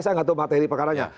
saya nggak tahu materi perkaranya